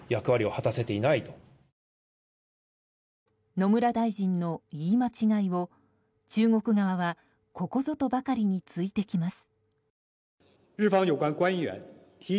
野村大臣の言い間違いを中国側はここぞとばかりに突いてきます。